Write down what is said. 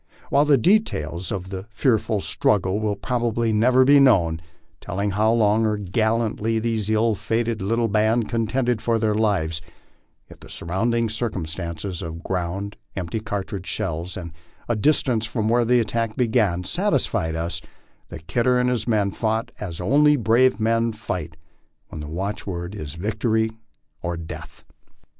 While the details of that fearful struggle will probably never be known, telling how long and gallantly this ill fated little band contended for their lives, yet the surrounding circumstances of ground, empty cartridge shells, and distance from where the attack began, satisfied us that Kidder and his men fought as only brave men fight when the watchword is victory or death.